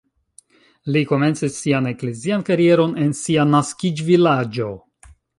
Li komencis sian eklezian karieron en sia naskiĝvilaĝo.